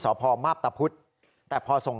สพมาพตะพุธแต่พอส่ง